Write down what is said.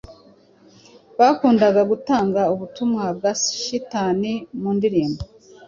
bakundaga gutanga ubutumwa bwa shitani mu ndirimbo